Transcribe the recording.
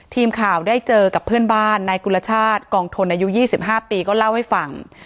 ทีมข่าวได้เจอกับเพื่อนบ้านนายกุลชาติกองทนอายุ๒๕ปีก็เล่าให้ฟัง